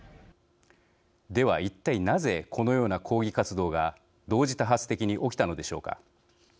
では、いったいなぜこのような抗議活動が同時多発的に起きたのでしょうか。